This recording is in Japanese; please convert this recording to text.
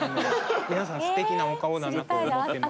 皆さんすてきなお顔だなと思ってます。